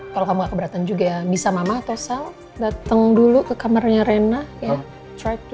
kalo kamu gak keberatan juga ya bisa mama atau sal dateng dulu ke kamarnya rena ya